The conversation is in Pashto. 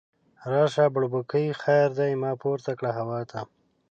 راشه بړبوکۍ خیر دی، ما پورته کړه هوا ته